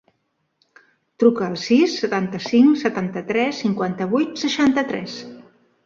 Truca al sis, setanta-cinc, setanta-tres, cinquanta-vuit, seixanta-tres.